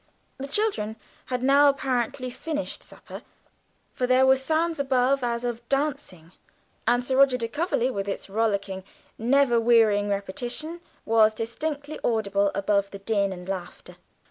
The children had now apparently finished supper, for there were sounds above as of dancing, and "Sir Roger de Coverley," with its rollicking, never wearying repetition, was distinctly audible above the din and laughter.